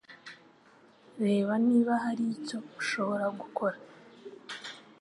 Reba niba hari icyo ushobora gukora